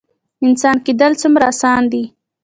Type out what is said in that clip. انسان کیدل څومره ګران دي؟